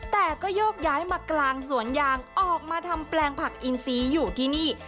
แต่ก็โยกย้ายมากลางสวนยางออกมาทำแปลงผักอินซีอยู่ที่นี่